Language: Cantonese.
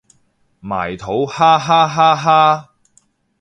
埋土哈哈哈哈